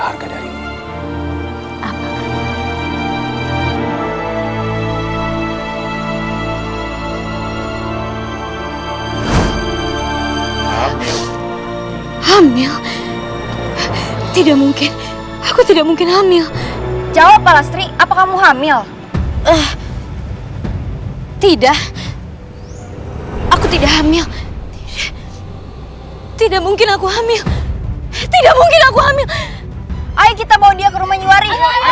jangan sampai kabur